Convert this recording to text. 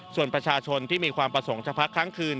ส่วนประชาชนที่มีความประสงค์จะพักครั้งคืน